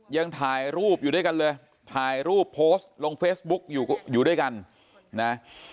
ยังถ่ายรูปอยู่ด้วยกันเลยถ่ายรูปโพสต์ลงเฟซบุ๊กอยู่อยู่ด้วยกันนะ